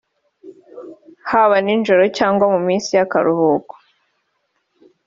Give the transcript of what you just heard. haba ninjoro cyangwa mu minsi y’akaruhuko